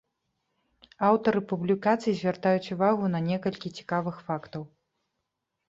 Аўтары публікацый звяртаюць увагу на некалькі цікавых фактаў.